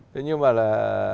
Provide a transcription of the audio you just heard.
thì nhưng mà là